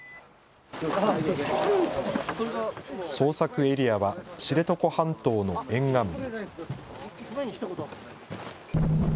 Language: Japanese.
捜索エリアは知床半島の沿岸部。